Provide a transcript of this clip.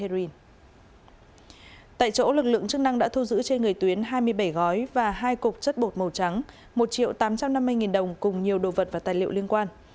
đối tượng chức năng đã thu giữ trên người tuyến hai mươi bảy gói và hai cục chất bột màu trắng một triệu tám trăm năm mươi nghìn đồng cùng nhiều đồ vật và tài liệu liên quan